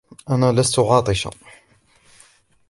أنا لست عاطشة.